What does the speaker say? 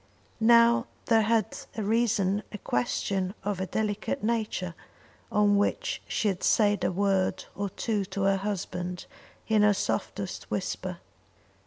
Now there had arisen a question of a delicate nature on which she had said a word or two to her husband in her softest whisper.